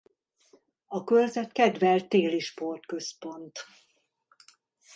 A körzet kedvelt télisport-központ.